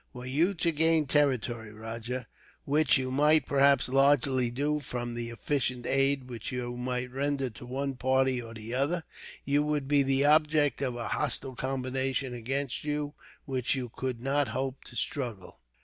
"Were you to gain territory, Rajah, which you might, perhaps, largely do, from the efficient aid which you might render to one party or the other, you would be the object of a hostile combination against which you could not hope to struggle."